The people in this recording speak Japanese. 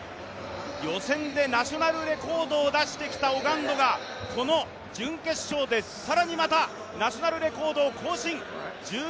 予選でナショナルレコードを出してきたオガンドがこの準決勝で更にまたナショナルレコードを更新。